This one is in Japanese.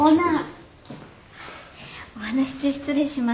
お話し中失礼します。